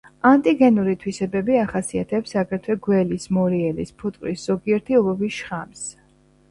ანტიგენური თვისებები ახასიათებს აგრეთვე გველის, მორიელის, ფუტკრის, ზოგიერთი ობობის შხამს.